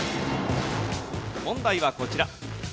問題はこちら。